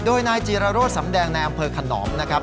โดยนายจีรโรธสำแดงในอำเภอขนอมนะครับ